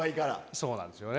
そうなんですよね。